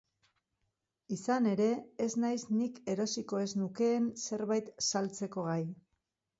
Izan ere, ez naiz nik erosiko ez nukeen zerbait saltzeko gai.